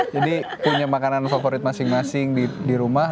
jadi punya makanan favorit masing masing di rumah